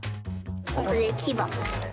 これきば。